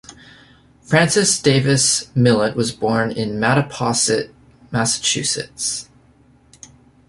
Francis Davis Millet was born in Mattapoisett, Massachusetts.